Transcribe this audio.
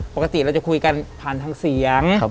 ปกติเราจะคุยกันผ่านทั้ง๔อย่าง